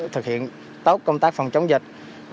thực hiện tốt công tác phòng chống dịch